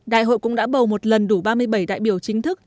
đại hội cũng đã bầu một lần đủ ba mươi bảy đại biểu chính thức